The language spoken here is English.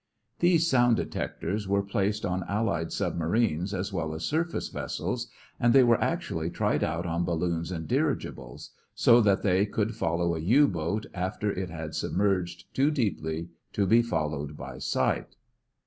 These sound detectors were placed on Allied submarines as well as surface vessels and they were actually tried out on balloons and dirigibles, so that they could follow a U boat after it had submerged too deeply to be followed by sight.